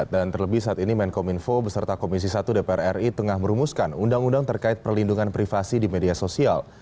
dan terlebih saat ini menkominfo beserta komisi satu dpr ri tengah merumuskan undang undang terkait perlindungan privasi di media sosial